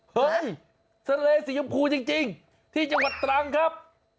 ทะเลสียมพูจริงที่จังหวัดตรังครับ